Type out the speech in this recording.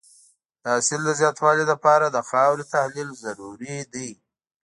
د حاصل د زیاتوالي لپاره د خاورې تحلیل ضروري دی.